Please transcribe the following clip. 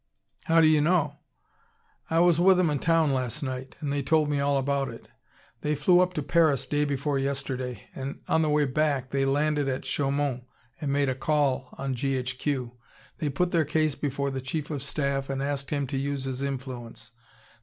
"How do you know?" "I was with 'em in town last night and they told me all about it. They flew up to Paris day before yesterday, and on the way back they landed at Chaumont and made a call on G.H.Q. They put their case before the Chief of Staff and asked him to use his influence.